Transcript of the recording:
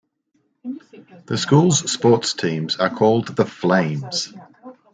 The school's sports teams are called the Flames.